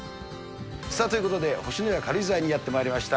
さあ、ということで、星のや軽井沢にやってまいりました。